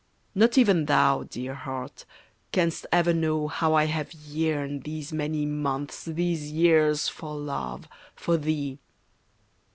Not even thou, Dear Heart, canst ever know How I have yearned these many months, these years For love, for thee.